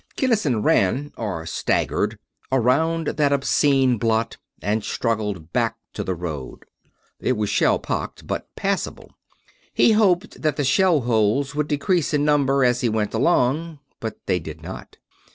Kinnison ran or staggered around that obscene blot and struggled back to the road. It was shell pocked, but passable. He hoped that the shell holes would decrease in number as he went along, but they did not.